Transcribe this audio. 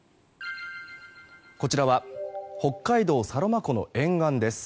こちらは北海道サロマ湖の沿岸です。